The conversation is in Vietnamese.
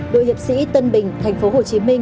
đội hiệp sĩ tân bình tp hcm